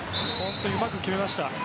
うまく決めました。